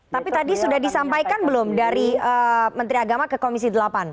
tapi tadi sudah disampaikan belum dari menteri agama ke komisi delapan